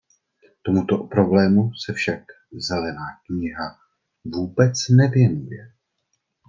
Tomuto problému se však zelená kniha vůbec nevěnuje.